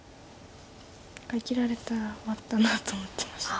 生きられたら終わったなと思ってました。